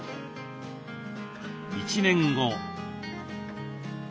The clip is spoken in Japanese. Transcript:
１年後。